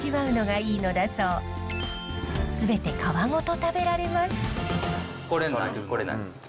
全て皮ごと食べられます。